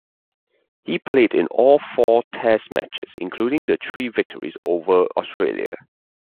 He played in all four test matches, including the three victories over Australia.